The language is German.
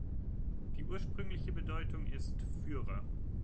Die ursprüngliche Bedeutung ist „Führer“.